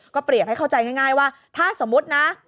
เปรียบให้เข้าใจง่ายว่าถ้าสมมุตินะ